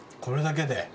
これだけで。